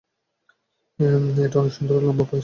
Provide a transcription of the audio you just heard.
এটা অনেকসুন্দর লম্বা পায়চারী করা ছিল।